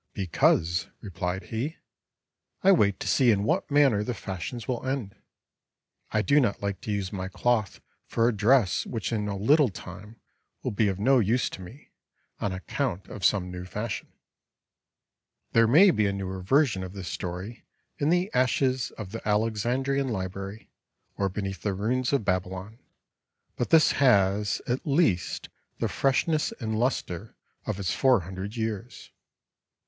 'Because' replied he, 'I wait to see in what manner the fashions will end. I do not like to use my cloth for a dress which in a little time will be of no use to me, on account of some new fashion.'" There may be a newer version of this story in the ashes of the Alexandrian library or beneath the ruins of Babylon, but this has at least the freshness and luster of its four hundred years.